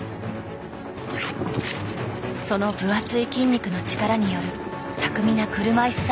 その分厚い筋肉の力による巧みな車いすさばき。